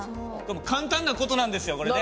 簡単な事なんですよこれね。